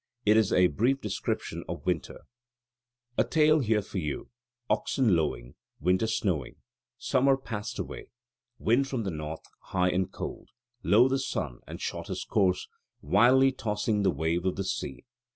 It is a brief description of winter: "A tale here for you: oxen lowing: winter snowing: summer passed away: wind from the north, high and cold: low the sun and short his course: wildly tossing the wave of the sea.